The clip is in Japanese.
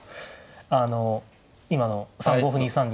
あの今の３五歩２三銀。